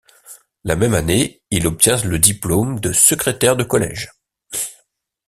La même année, il obtient le diplôme de secrétaire de collège.